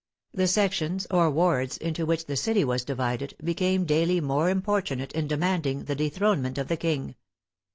The sections, or wards, into which the city was divided, became daily more importunate in demanding the dethronement of the King.